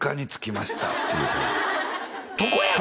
「とこ」やろ？